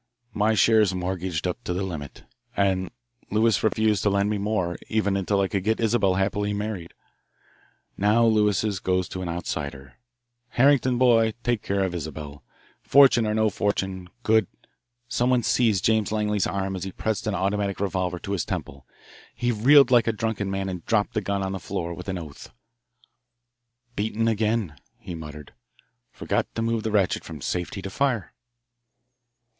My share's mortgaged up to the limit, and Lewis refused to lend me more even until I could get Isabelle happily married. Now Lewis's goes to an outsider Harrington, boy, take care of Isabelle, fortune or no fortune. Good " Someone seized James Langley's arm as he pressed an automatic revolver to his temple. He reeled like a drunken man and dropped the gun on the floor with an oath. "Beaten again," he muttered. "Forgot to move the ratchet from 'safety' to 'fire.'"